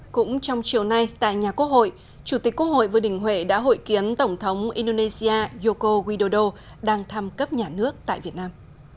cũng trong chiều nay tại nhà quốc hội chủ tịch quốc hội vương đình huệ đã hội kiến tổng thống indonesia yoko widodo đang thăm cấp nhà nước tại việt nam